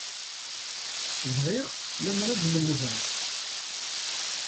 Bɣiɣ lemmer ad lemdeɣ.